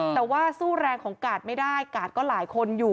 แต่ว่าสู้แรงของกาดไม่ได้กาดก็หลายคนอยู่